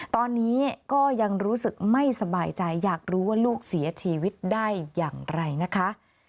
ตอนนี้ก็ยังรู้สึกไม่สบายใจอยากรู้ว่าลูกเสียชีวิตได้อย่างไรนะคะ